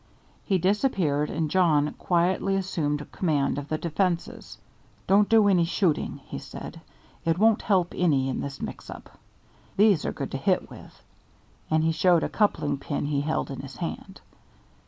He disappeared, and Jawn quietly assumed command of the defences. "Don't do any shooting," he said. "It won't help any in this mix up. These are good to hit with," and he showed a coupling pin he held in his hand.